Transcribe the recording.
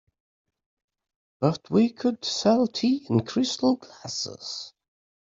But we could sell tea in crystal glasses.